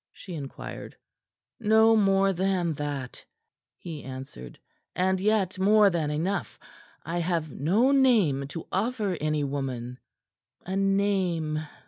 she inquired. "No more than that," he answered, "and yet more than enough. I have no name to offer any woman." "A name?"